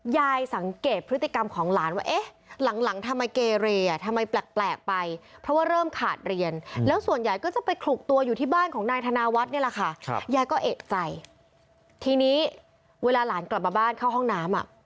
ยายก็เอกใจทีนี้เวลาหลานกลับมาบ้านเข้าห้องน้ำ